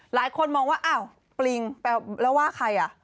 หลายคนมองว่าอ้าวปริงแปลว่าใครอ่ะ